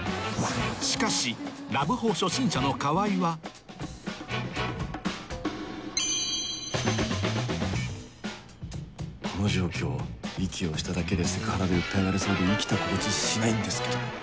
しかしこの状況息をしただけでセクハラで訴えられそうで生きた心地しないんですけど